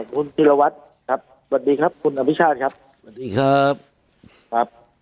คุณธิรวัตรครับสวัสดีครับคุณอภิชาติครับสวัสดีครับครับ